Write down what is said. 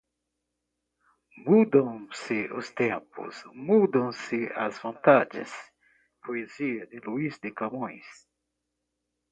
Mudam-se os tempos, mudam-se as vontades. Poesia de Luís de Camões